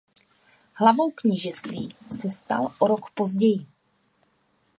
Hlavou knížectví se stal o rok později.